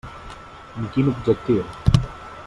Amb quin objectiu?